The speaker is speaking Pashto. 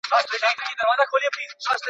ايا ته سبزیجات جمع کوې!.